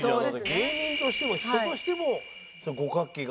芸人としても人としても五角形がでかいみたいな。